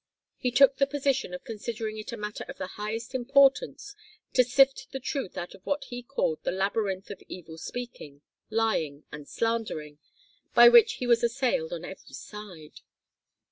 He took the position of considering it a matter of the highest importance to sift the truth out of what he called the labyrinth of evil speaking, lying, and slandering, by which he was assailed on every side.